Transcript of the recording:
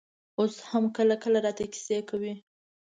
اوس هم راته کله کله کيسې کوي.